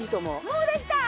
もうできた？